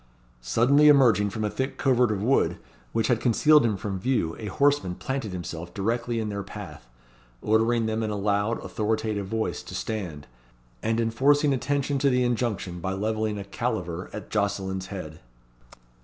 Suddenly emerging from a thick covert of wood, which had concealed him from view, a horseman planted himself directly in their path; ordering them in a loud, authoritative voice, to stand; and enforcing attention to the injunction by levelling a caliver at Jocelyn's head.